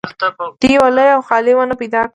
دوی یوه لویه او خالي ونه پیدا کړه